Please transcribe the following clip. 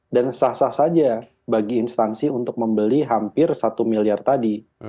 dan sah sah saja bagi instansi untuk membeli hampir satu miliar tadi